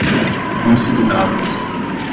consigná-las